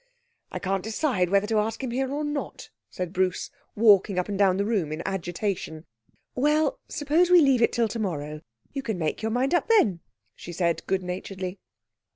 'I can't decide whether to ask him here or not,' said Bruce, walking up and down the room in agitation. 'Well, suppose we leave it till tomorrow. You can make up your mind then,' she said good naturedly.